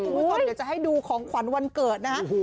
คุณผู้ชมเดี๋ยวจะให้ดูของขวัญวันเกิดนะฮะ